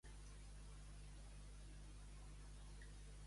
La figa que no és nada per Sant Pere, ves-li al darrere.